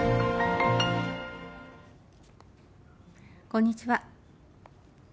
こんにちは。